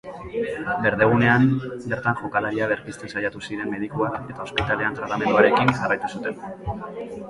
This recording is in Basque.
Berdegunean bertan jokalaria berpizten saiatu ziren medikuak eta ospitalean tratamenduarekin jarraitu zuten.